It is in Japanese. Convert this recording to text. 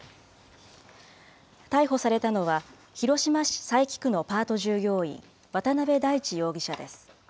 逮捕されたのは、広島市佐伯区のパート従業員、渡部大地容疑者です。